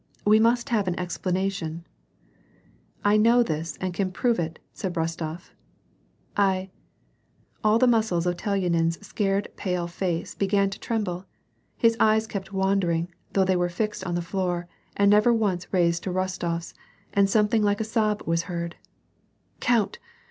" We must have an explanation "—" I know this and can prove it," said Rostof. a J J> All the muscles of Telyanin's scared pale face began to trem ble, his eyes kept wandering, though they were fixed on the floor, and never once raised to Rostofs, and something like a sob was heard. " Count